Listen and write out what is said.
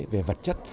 về vật chất